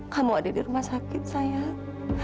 kamu ada di rumah sakit sayang